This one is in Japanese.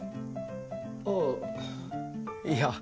あぁいや。